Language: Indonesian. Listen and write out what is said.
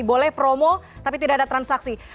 boleh promo tapi tidak ada transaksi